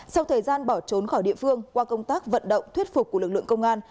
sau thời gian bỏ trốn khỏi địa phương qua công tác vận động thuyết phục của lực lượng công an